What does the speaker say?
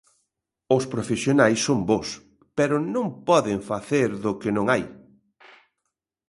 Os profesionais son bos, pero non poden facer do que non hai.